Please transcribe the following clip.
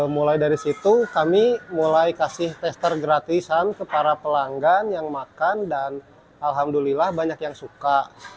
mulai dari situ kami mulai kasih tester gratisan ke para pelanggan yang makan dan alhamdulillah banyak yang suka